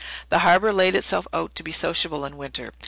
The Harbour laid itself out to be sociable in winter.